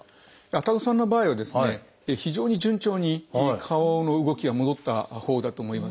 愛宕さんの場合はですね非常に順調に顔の動きが戻ったほうだと思います。